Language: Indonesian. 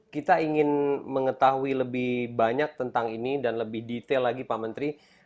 kita ingin mengetahui lebih banyak tentang ini dan lebih detail lagi pak menteri